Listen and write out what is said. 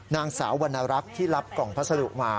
นางสาววรรณรักษ์ที่รับกล่องพัสดุมา